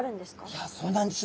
いやそうなんです。